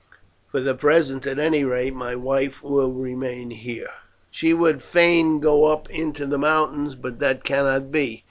For the present, at any rate, my wife will remain here. "She would fain go up into the mountains, but that cannot be.